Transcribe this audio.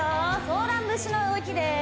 「ソーラン節」の動きです